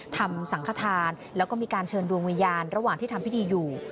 สังขทานแล้วก็มีการเชิญดวงวิญญาณระหว่างที่ทำพิธีอยู่